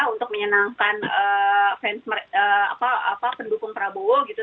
untuk menyenangkan pendukung prabowo